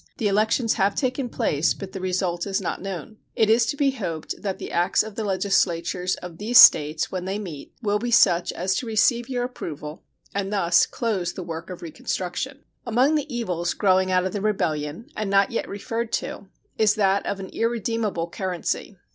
The elections have taken place, but the result is not known. It is to be hoped that the acts of the legislatures of these States, when they meet, will be such as to receive your approval, and thus close the work of reconstruction. Among the evils growing out of the rebellion, and not yet referred to, is that of an irredeemable currency.